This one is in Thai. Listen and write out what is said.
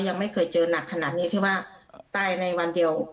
ยังไม่เคยเจอหนักขนาดนี้ที่ว่าตายในวันเดียว